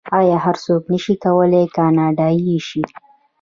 آیا هر څوک نشي کولی کاناډایی شي؟